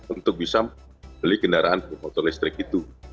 untuk bisa beli kendaraan bermotor listrik itu